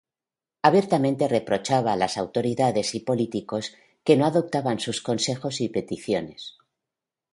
Abiertamente reprochaba a las autoridades y políticos que no adoptaban sus consejos y peticiones.